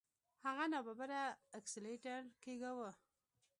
هغه ناببره اکسلېټر کېکاږه.